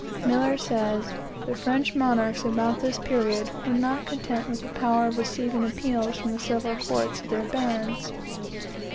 Millar says, "The French monarchs, about this period, were not content with the power of receiving appeals from the several courts of their barons.